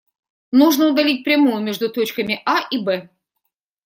Нужно удалить прямую между точками А и Б.